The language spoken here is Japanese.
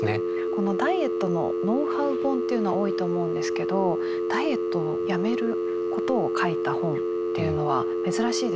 このダイエットのノウハウ本っていうのは多いと思うんですけどダイエットをやめることを書いた本っていうのは珍しいですよね。